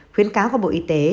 khuyến cáo các bộ y tế